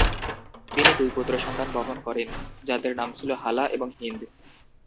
তিনি দুই পুত্র সন্তান বহন করেন, যাদের নাম ছিল হালা এবং হিন্দ।